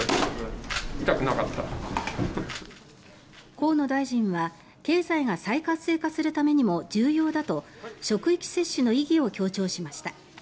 河野大臣は、経済が再活性化するためにも重要だと職域接種の意義を強調しました。